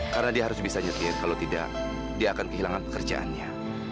karena dia harus bisa nyetir kalau tidak dia akan kehilangan pekerjaannya